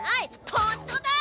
ホントだ！